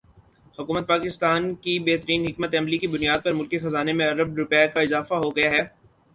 حکومت پاکستان کی بہترین حکمت عملی کی بنیاد پر ملکی خزانے میں ارب روپے کا اضافہ ہوگیا ہے